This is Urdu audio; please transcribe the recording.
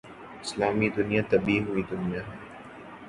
اسلامی دنیا دبی ہوئی دنیا ہے۔